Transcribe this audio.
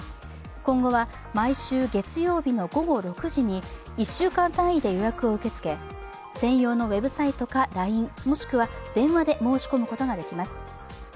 今後は毎週月曜日の午後６時に１週間単位で予約を受け付け、専用のウエブサイトかＬＩＮＥ、もしくは電話で申し込むことができます。